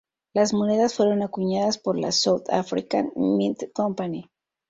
Las monedas fueron acuñadas por la South African Mint Company.